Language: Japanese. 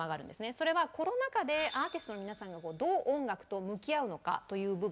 それはコロナ禍でアーティストの皆さんがどう音楽と向き合うのかという部分なんです。